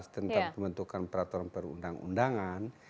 tentang pembentukan peraturan perundang undangan